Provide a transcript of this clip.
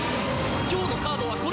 今日のカードはこれ！